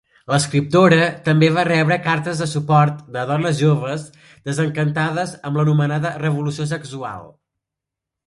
L'escriptora també va rebre cartes de suport de dones joves desencantades amb l'anomenada revolució sexual.